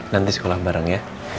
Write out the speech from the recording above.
nanti sekolah bareng ya